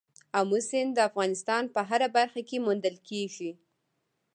آمو سیند د افغانستان په هره برخه کې موندل کېږي.